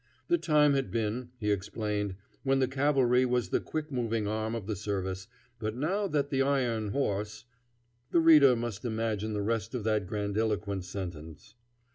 The time had been, he explained, when the cavalry was the quick moving arm of the service, but now that the iron horse The reader must imagine the rest of that grandiloquent sentence.